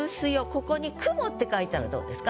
ここに「雲」って書いたらどうですか？